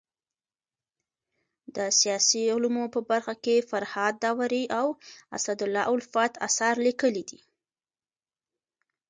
د سیاسي علومو په برخه کي فرهاد داوري او اسدالله الفت اثار ليکلي دي.